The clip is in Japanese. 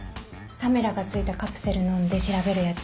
カメラが付いたカプセルのんで調べるやつ。